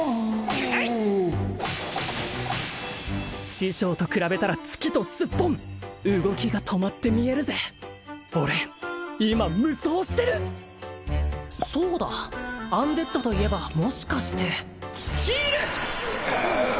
師匠と比べたら月とすっぽん動きが止まって見えるぜ俺今無双してるそうだアンデッドといえばもしかしてヒール！